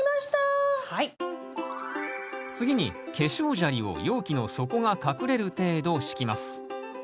次に化粧砂利を容器の底が隠れる程度敷きます。